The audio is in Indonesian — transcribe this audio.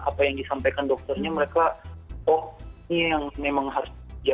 apa yang disampaikan dokternya mereka oh ini yang memang harus